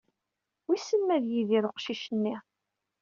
Wissen ma ad yidir uqcic-nni?